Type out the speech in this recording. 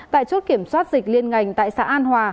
tại chốt kiểm soát dịch liên ngành tại xã an hòa